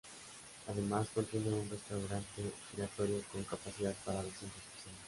Además, contiene un restaurante giratorio con capacidad para doscientas personas.